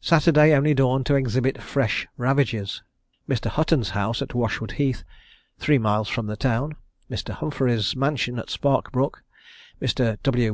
Saturday only dawned to exhibit fresh ravages; Mr. Hutton's house at Washwood Heath, three miles from the town, Mr. Humphery's mansion at Spark Brook, Mr. W.